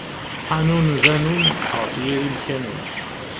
Ḥanun zanun, ɣef yiri n lkanun.